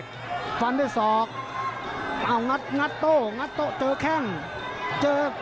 สวัสดีครับ